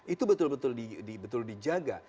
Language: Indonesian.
itu betul betul dijaga